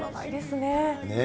ねえ。